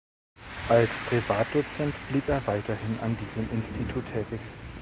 Als Privatdozent blieb er weiterhin an diesem Institut tätig.